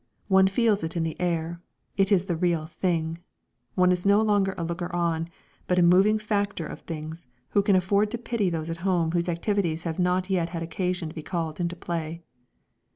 One feels it in the air, it is the Real Thing; one is no longer a looker on, but a moving factor of things who can afford to pity those at home whose activities have not yet had occasion to be called into play.